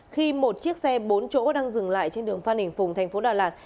khi một chiếc xe bốn chỗ đang dừng lại trên đường phan đình phùng thành phố đà lạt